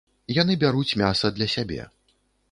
Яны бяруць мяса для сябе.